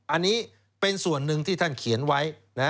อันนี้เป็นส่วนหนึ่งที่ท่านเขียนไว้